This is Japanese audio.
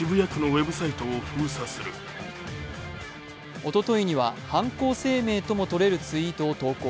おとといには、犯行声明ともとれるツイートを投稿。